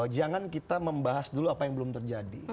jangan kita membahas dulu apa yang belum terjadi